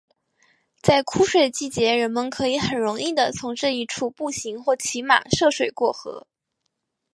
在枯水季节人们可以很容易的从这一处步行或骑马涉水过河。